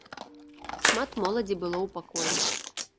Шмат моладзі было ў пакоі.